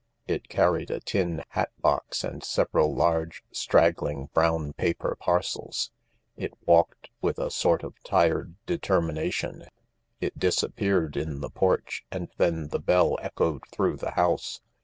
It carried a tin hat box and several large, straggling brown paper parcels. It walked with a sort of tired determination ; it disappeared in the porch and then the bell echoed through the house.